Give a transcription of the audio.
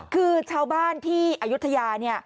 คือชาวบ้านที่อายุทยาเนี่ย